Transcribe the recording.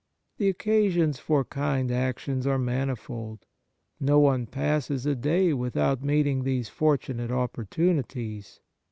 The occasions for kind actions are manifold. No one passes a day without meeting these for tunate opportunities.